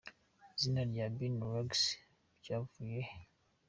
Izina rya Binny Relax byavuye he?.